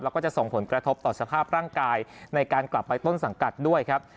แล้วก็จะส่งผลกระทบต่อสภาพร่างกายในการกลับไปต้นสังกัดด้วยครับ